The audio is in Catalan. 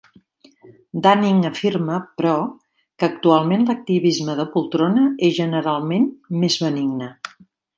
Dunning afirma, però, que actualment l'activisme de poltrona és generalment més benigne.